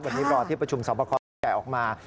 วันนี้รอดที่ประชุมสอบประคาจะแกะออกมา